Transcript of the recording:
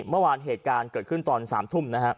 เมื่อวานเหตุการณ์เกิดขึ้นตอน๓ทุ่มนะครับ